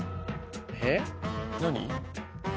えっ？何？